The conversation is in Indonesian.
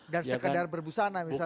dan sekadar berbusana misalnya gitu